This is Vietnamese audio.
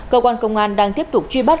cơ quan công an đang tiếp tục truy bắt